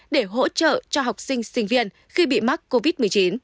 để hỗ trợ cho học sinh sinh viên khi bị mắc covid một mươi chín